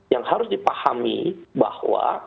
yang harus dipahami bahwa